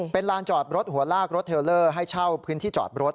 เป็นลานจอดรถหัวลากรถเทลเลอร์ให้เช่าพื้นที่จอดรถ